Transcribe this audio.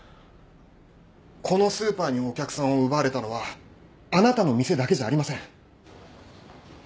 このスーパーにお客さんを奪われたのはあなたの店だけじゃありません。